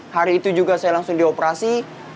hari itu juga saya langsung di operasi